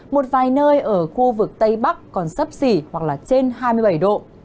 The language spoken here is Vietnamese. một vài nơi ở khu vực tây bắc còn sấp xỉ hoặc là trên hai mươi bảy độ